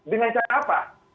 dengan cara apa